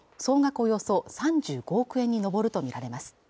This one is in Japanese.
およそ３５億円に上るとみられます